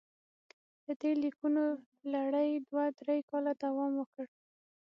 د دې لیکونو لړۍ دوه درې کاله دوام وکړ.